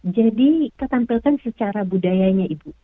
jadi ketampilkan secara budayanya ibu